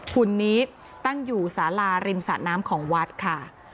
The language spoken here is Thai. หุ่นนี้ตั้งอยู่สาราริมสะน้ำของวัดค่ะ